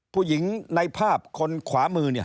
ผู้หญิงในภาพคนขวามือ